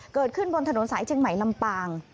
เกิดขึ้นบนถนนสายเชียงใหม่ลำปาง